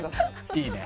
いいね。